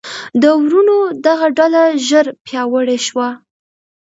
د وروڼو دغه ډله ژر پیاوړې شوه.